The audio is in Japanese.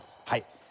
はい。